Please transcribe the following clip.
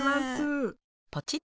ポチッと。